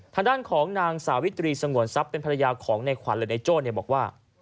ทางด้านของนางสาวิตรีสงวนทรัพย์เป็นภรรยาของในขวัญหรือนายโจ้บอกว่า